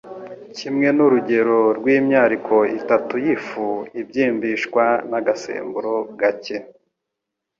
kimwe n'urugero rw'imyariko itatu y'ifu ibyimbishwa n'agasemburo gake.